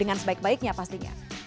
dengan sebaik baiknya pastinya